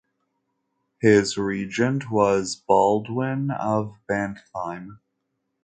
His regent was Baldwin of Bentheim.